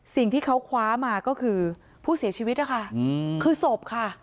สิ่งที่เขาคว้ามาก็คือผู้เสียชีวิตนะคะคือศพค่ะ